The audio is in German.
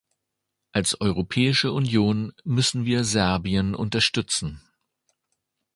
Als Europäische Union müssen wir Serbien unterstützen.